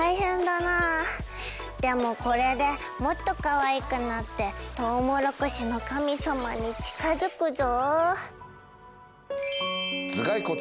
でもこれでもっとかわいくなってとうもろこしの神様に近づくぞ！